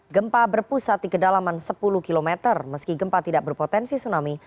gempa berpusat di kedalaman sepuluh km meski gempa tidak berpotensi tsunami